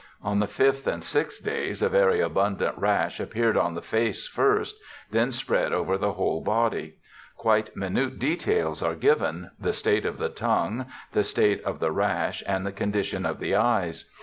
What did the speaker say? On the fifth and sixth days a very abundant rash appeared on the face first, then spread over the whole body. Quite minute details are given — the state of the tongue, the state of the rash, and the condition of the eyes.